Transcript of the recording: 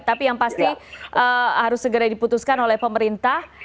tapi yang pasti harus segera diputuskan oleh pemerintah